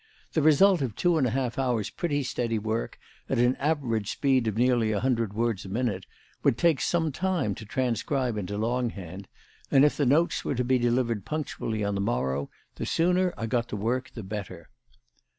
The result of two and a half hours' pretty steady work at an average speed of nearly a hundred words a minute, would take some time to transcribe into longhand; and if the notes were to be delivered punctually on the morrow, the sooner I got to work the better.